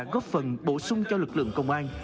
có phần bổ sung cho lực lượng công an